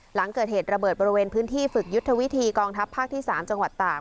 หลังเกิดเหตุระเบิดบริเวณพื้นที่ฝึกยุทธวิธีกองทัพภาคที่๓จังหวัดตาก